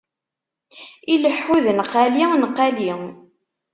Ileḥḥu d nnqali nnqali.